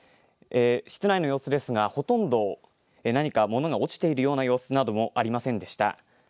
室内の様子ですが、ほとんど、何か物が落ちているような様子などもありませんでした。